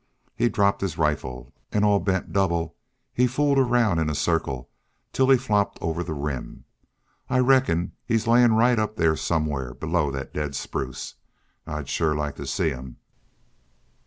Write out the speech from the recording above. He dropped his rifle an', all bent double, he fooled around in a circle till he flopped over the Rim. I reckon he's layin' right up there somewhere below that daid spruce. I'd shore like to see him."